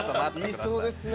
言いそうですね。